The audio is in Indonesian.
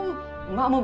gak apa apa tuh bu